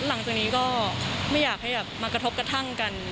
หลังจากนี้ก็ไม่อยากให้มากระทบกระทั่งกัน